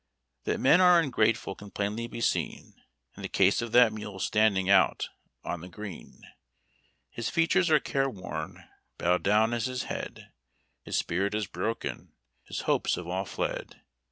' That men are ungrateful can plainly be seen In the case of that mule standing out on the green. His features are careworn, bowed down is his head. His spirit is broken : his hopes have all fled.